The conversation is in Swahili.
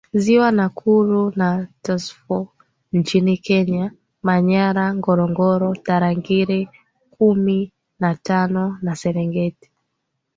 Ziwa Nakuru na Tsavo nchini Kenya Manyara Ngorongoro Tarangire kumi na tano na Serengeti